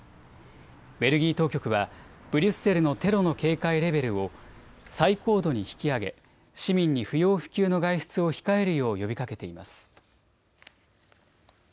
ベルギー当局はブリュッセルのテロの警戒レベルを最高度に引き上げ市民に不要不急の外出を控えるよう呼びかけています。